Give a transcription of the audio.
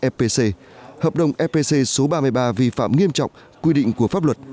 epc hợp đồng fpc số ba mươi ba vi phạm nghiêm trọng quy định của pháp luật